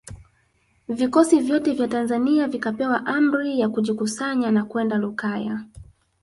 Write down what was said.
Vikosi vyote vya Tanzania vikapewa amri ya kujikusanya na kwenda Lukaya